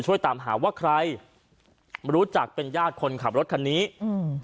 ช่วยตามหาว่าใครรู้จักเป็นญาติคนขับรถคันนี้อืม